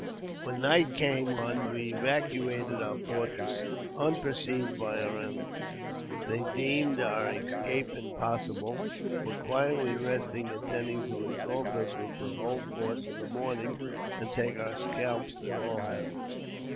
When night came on we evacuated our fortress, unperceived by our enemies. They, deeming our escape impossible, were quietly resting, intending to assault us with their whole force in the morning, and take our scalps at all hazards.